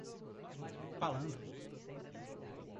Falando!